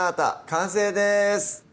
完成です